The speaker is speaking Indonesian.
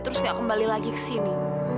terus nggak kembali lagi kesini